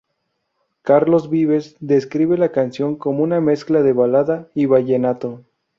Carlos Vives describe la canción como una mezcla de balada y vallenato.